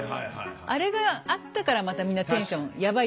あれがあったからまたみんなテンションヤバい